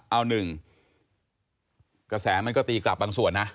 เอาหนึ่งกระแสมันก็ตีกลับบางส่วนนะ